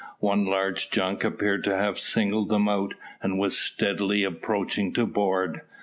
One large junk appeared to have singled them out, and was steadily approaching to board.